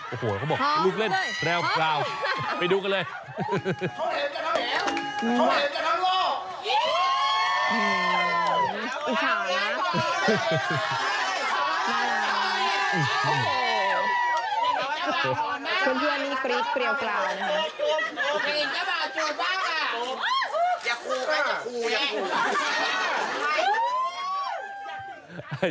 โอ้โหเขาบอกลูกเล่นแพรวไปดูกันเลย